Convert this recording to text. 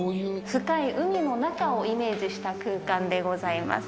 深い海の中をイメージした空間でございます。